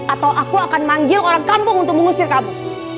atau aku akan manggil orang kampung untuk mengusir kamu